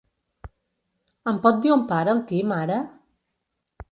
Em pot dir on para el Tim, ara?